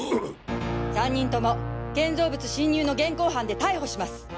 ３人とも建造物侵入の現行犯で逮捕します！